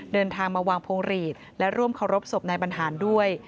เดินทางมาวางพวงหลีดและร่วมเคารพศพนายบรรหารด้วย